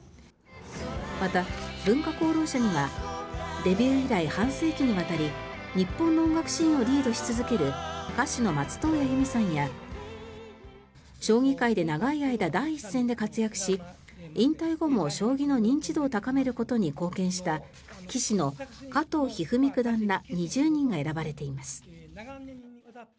また、文化功労者にはデビュー以来半世紀にわたり日本の音楽シーンをリードし続ける歌手の松任谷由実さんや将棋界で長い間、第一線で活躍し引退後も将棋の認知度を高めることに貢献した棋士の加藤一二三九段ら２０人が選ばれています。